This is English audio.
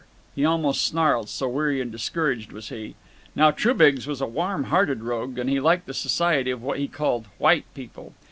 He almost snarled, so weary and discouraged was he. Now, Trubiggs was a warm hearted rogue, and he liked the society of what he called "white people."